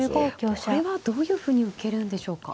これはどういうふうに受けるんでしょうか。